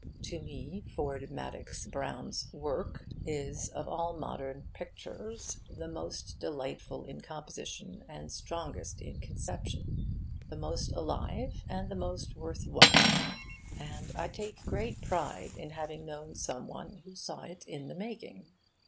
To me Ford Madox Brown's 'Work' is of all modern pictur's the most delightful in composition and strongest in conception, the most alive and the most worth while; and I take great pride in having known some one who saw it in the making.